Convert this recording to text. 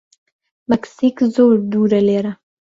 مەکسیک زۆر دوورە لێرە.